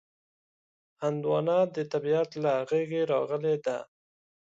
هندوانه د طبیعت له غېږې راغلې ده.